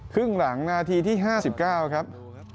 ครึ่งหลังนาทีที่ห้าสิบเก้าครับ